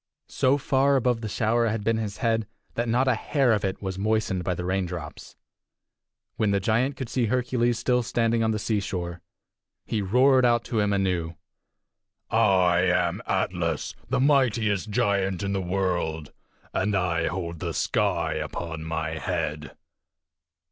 So far above the shower had been his head that not a hair of it was moistened by the raindrops. When the giant could see Hercules still standing on the seashore, he roared out to him anew: "I am Atlas, the mightiest giant in the world! And I hold the sky upon my head!"